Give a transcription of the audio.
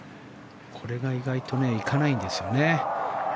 これが意外と行かないんですよね。